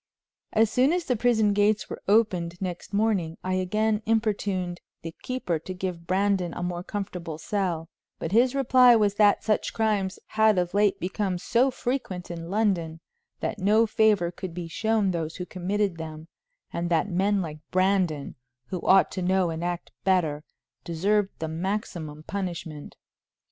As soon as the prison gates were opened next morning, I again importuned the keeper to give Brandon a more comfortable cell, but his reply was that such crimes had of late become so frequent in London that no favor could be shown those who committed them, and that men like Brandon, who ought to know and act better, deserved the maximum punishment.